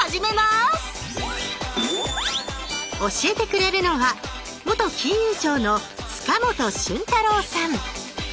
教えてくれるのは元金融庁の塚本俊太郎さん。